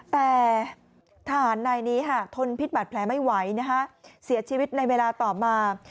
แต่ทหารนายนี้ทนพิษบัตรแผลไม่ไหวเสียชีวิตในเวลาต่อมา